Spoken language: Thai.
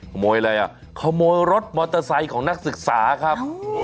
ขโมยอะไรอ่ะขโมยรถมอเตอร์ไซค์ของนักศึกษาครับ